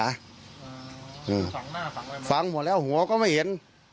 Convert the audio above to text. ฝังหน้าฝังอะไรฝังหมดแล้วหัวก็ไม่เห็น